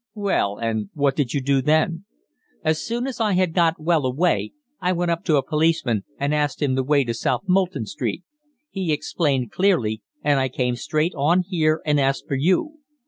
"Well, and what did you do then?" "As soon as I had got well away, I went up to a policeman and asked him the way to South Molton Street. He explained clearly, and I came straight on here and asked for you.